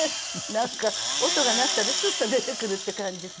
なんか音が鳴ったらスッと出てくるっていう感じで。